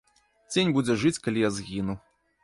Цень будзе жыць, калі я згіну.